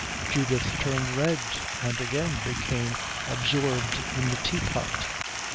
Judith turned red and again became absorbed in the teapot.